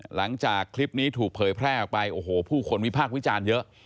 หลังจากคลิปนี้ถูกเผยแพร่ออกไปโอ้โหผู้คนวิพากษ์วิจารณ์เยอะ